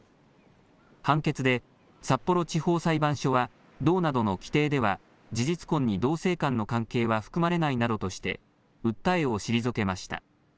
判決で札幌地方裁判所は道などの規定では事実婚に同性間の関係は含まれないなどとして訴えを退けました。